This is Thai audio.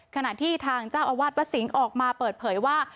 ขณะที่ทางเจ้าอาวาสวัดสิงห์ออกมาเปิดเผยว่า